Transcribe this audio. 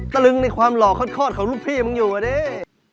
ตะลึงในความหล่อคลอดของลูกพี่มึงอยู่อ่ะดิ